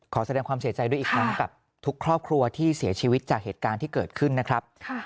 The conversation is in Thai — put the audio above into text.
ขอแสดงความเสียใจด้วยอีกครั้งกับทุกครอบครัวที่เสียชีวิตจากเหตุการณ์ที่เกิดขึ้นนะครับ